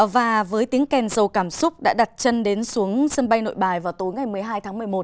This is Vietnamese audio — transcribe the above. và với tiếng kèn dầu cảm xúc đã đặt chân đến xuống sân bay nội bài vào tối ngày một mươi hai tháng một mươi một